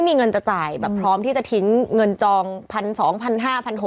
มันจะจ่ายแบบพร้อมที่จะทิ้งเงินจองพันสองพันห้าพันหก